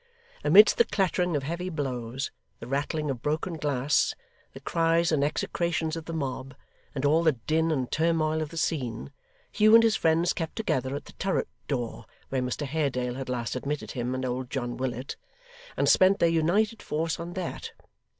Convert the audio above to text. Amidst the clattering of heavy blows, the rattling of broken glass, the cries and execrations of the mob, and all the din and turmoil of the scene, Hugh and his friends kept together at the turret door where Mr Haredale had last admitted him and old John Willet; and spent their united force on that.